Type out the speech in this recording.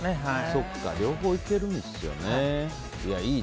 そうか、両方いけるんですね。